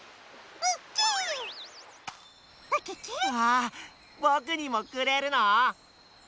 あぼくにもくれるの？